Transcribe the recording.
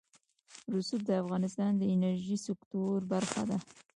رسوب د افغانستان د انرژۍ سکتور برخه ده.